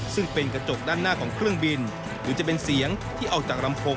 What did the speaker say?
ซึ่งเป็นกระจกด้านหน้าของเครื่องบินหรือจะเป็นเสียงที่ออกจากลำโพง